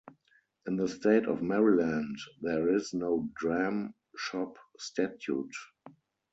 In the state of Maryland there is no dram shop statute.